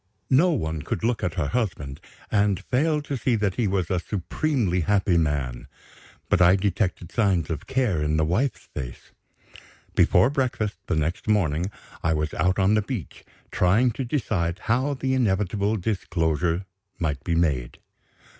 No one could look at her husband, and fail to see that he was a supremely happy man. But I detected signs of care in the wife's face. Before breakfast the next morning I was out on the beach, trying to decide how the inevitable disclosure might be made.